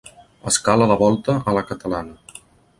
Escala de volta a la catalana.